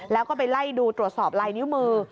แล้วก็ไปไล่ดูตรวจสอบลายนิ้วมือ